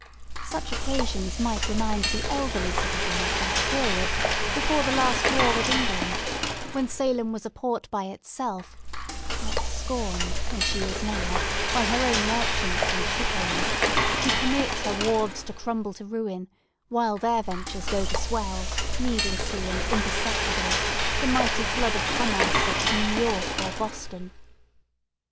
Such occasions might remind the elderly citizen of that period, before the last war with England, when Salem was a port by itself; not scorned, as she is now, by her own merchants and ship owners, who permit her wharves to crumble to ruin while their ventures go to swell, needlessly and imperceptibly, the mighty flood of commerce at New York or Boston.